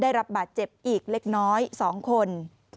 ได้รับบาดเจ็บอีกเล็กน้อย๒คน